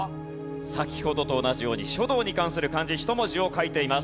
先ほどと同じように書道に関する漢字１文字を書いています。